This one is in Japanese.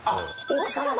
奥様！